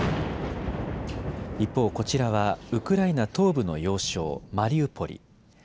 一方、こちらはウクライナ東部の要衝、マリウポリ。